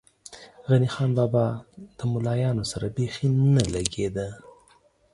غني خان بابا ده ملایانو سره بېخی نه لږې ده.